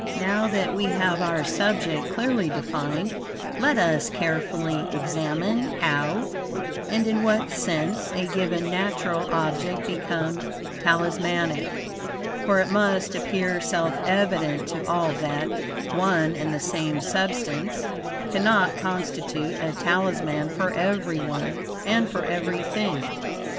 Now that we have our subject clearly defined, let us carefully examine HOW AND IN WHAT SENSE a given natural object becomes Talismanic, for it must appear self evident to all that, one and the same substance cannot constitute a Talisman for everyone, and for everything.